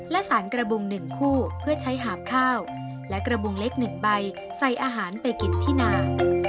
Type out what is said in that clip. และสารกระบุง๑คู่เพื่อใช้หาบข้าวและกระบุงเล็ก๑ใบใส่อาหารไปกินที่นา